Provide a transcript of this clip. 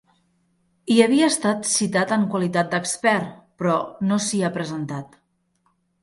Hi havia estat citat en qualitat d’expert, però no s’hi ha presentat.